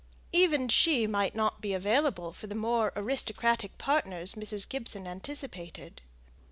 Even she might not be available for the more aristocratic partners Mrs. Gibson anticipated.